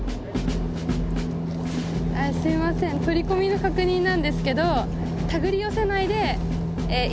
すいません取り込みの確認なんですけど手繰り寄せないで一気に引き上げる。